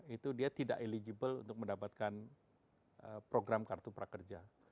itu dia tidak eligible untuk mendapatkan program kartu prakerja